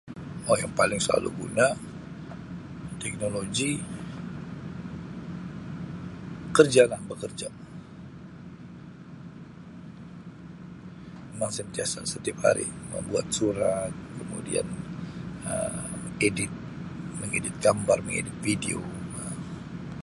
[unintelligible] yang paling selalu guna teknologi kerja lah bekerja memang sentiasa setiap hari membuat surat kemudian Um edit mengedit gambar mengedit video Um.